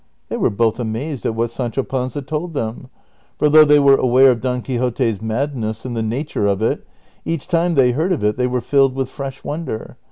^ They were both amazed at Avhat Sancho Panza tokl them ; for though they were aware of Don Quixote's madness and the nature of it, each time they heard of it they Avere filled with fresh wonder.